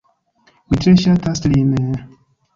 Mi tre ŝatas lin...